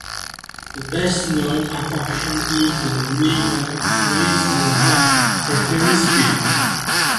The best-known attraction is the Wiener Riesenrad, a Ferris wheel.